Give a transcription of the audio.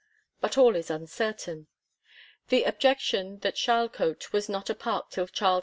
But all is uncertain. The objection that Charlecote was not a park till Charles II.'